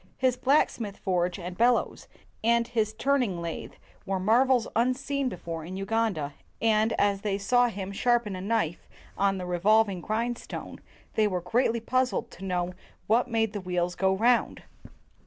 His blacksmith's forge and bellows and his turn ing lathe were marvels unseen before in Uganda; and, as they saw him sharpen a knife on the revolving grindstone, they were greatly puzzled to know what made the wheels go round.